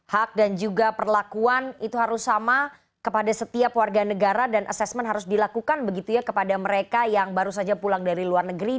hak dan juga perlakuan itu harus sama kepada setiap warga negara dan asesmen harus dilakukan begitu ya kepada mereka yang baru saja pulang dari luar negeri